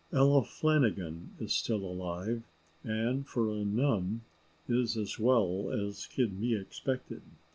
Ella Flanagan is still alive, and, for a nun, is as well as can be expected.